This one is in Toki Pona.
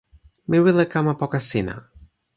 mi wile kama poka sina.